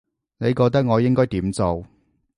你覺得我應該點做